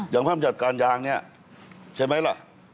อย่างพระอำจัดการยางนี้ใช่ไหมล่ะ